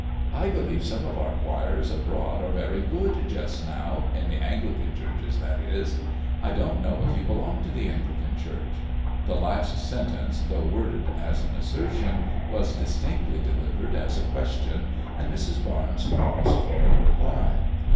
'* I believe some of our choirs abroad are very good just now in the Anglican Churches, that i& I don't know if you belong to the Anglican Church." The last sentence, though worded as an assertion, was dis tinctly delivered as a question, and Mrs. Barnes paused for a reply.